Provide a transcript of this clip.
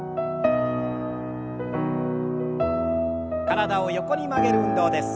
体を横に曲げる運動です。